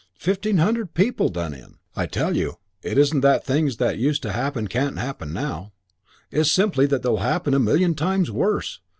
Fifteen hundred people done in. I tell you it isn't that things that used to happen can't happen now; it's simply that they'll happen a million times worse.